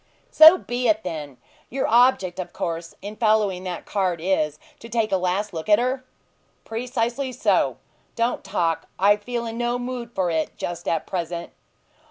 "So be it, then! Your object, of course, in following that cart is, to take a last look at her?" "Precisely so. Don't talk; I feel in no mood for it just at present."